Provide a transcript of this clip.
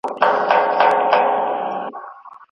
دا خبرې په ورځني ژوند کې کارېږي.